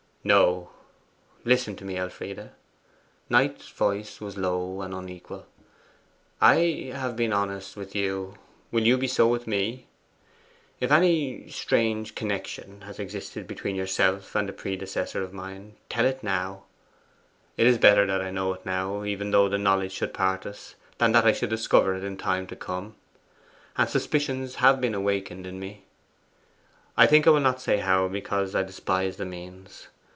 'No. Listen to me, Elfride.' Knight's voice was low and unequal. 'I have been honest with you: will you be so with me? If any strange connection has existed between yourself and a predecessor of mine, tell it now. It is better that I know it now, even though the knowledge should part us, than that I should discover it in time to come. And suspicions have been awakened in me. I think I will not say how, because I despise the means.